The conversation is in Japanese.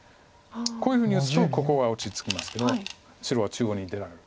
こういうふうに打つとここは落ち着きますけど白は中央に出られる。